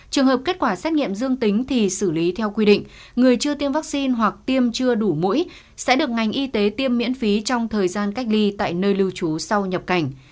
trường hợp kết quả xét nghiệm dương tính thì xử lý theo quy định người chưa tiêm vaccine hoặc tiêm chưa đủ mũi sẽ được ngành y tế tiêm miễn phí trong thời gian cách ly tại nơi lưu trú sau nhập cảnh